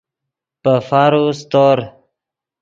پے فارو سیتور